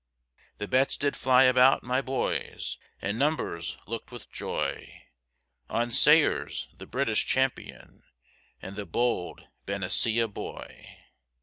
The bets did fly about, my boys, And numbers looked with joy On Sayers, the British champion, And the bold Benicia boy.